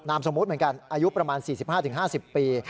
สมมุติเหมือนกันอายุประมาณ๔๕๕๐ปี